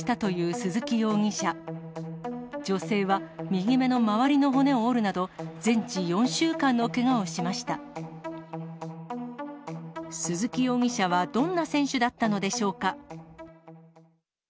鈴木容疑者はどんな選手だったのでしょうか。